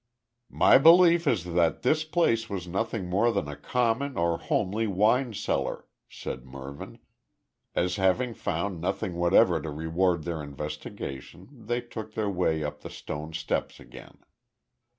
"My belief is that this place was nothing more than a common or homely wine cellar," said Mervyn, as having found nothing whatever to reward their investigation they took their way up the stone steps again.